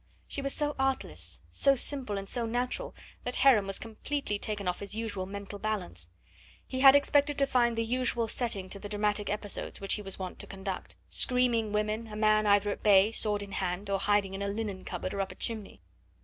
She was so artless, so simple, and so natural that Heron was completely taken off his usual mental balance. He had expected to find the usual setting to the dramatic episodes which he was wont to conduct screaming women, a man either at bay, sword in hand, or hiding in a linen cupboard or up a chimney.